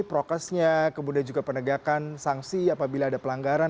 prokesnya kemudian juga penegakan sanksi apabila ada pelanggaran